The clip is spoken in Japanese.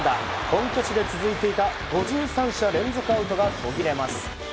本拠地で続いていた５３者連続アウトが途切れます。